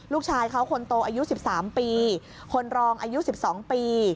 ลูกชายเขาคนโตอายุ๑๓ปีคนรองอายุ๑๒ปี